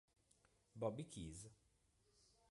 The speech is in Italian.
Bobby Keys